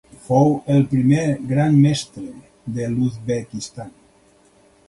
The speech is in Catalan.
Fou el primer Gran Mestre de l'Uzbekistan.